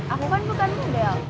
aku kan bukan model